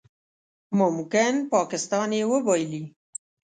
ممکن پاکستان یې وبایلي